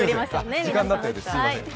時間になったようです、すみません。